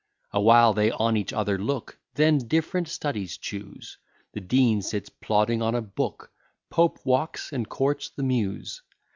Awhile they on each other look, Then different studies choose; The Dean sits plodding on a book; Pope walks, and courts the Muse.